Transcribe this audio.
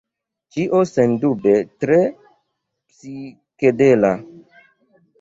Ĉio sendube tre psikedela.